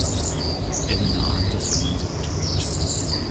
Elena ahnt, dass ihr Mann sie betrügt.